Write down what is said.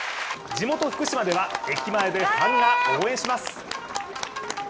地元・福島では、駅前でファンが応援します。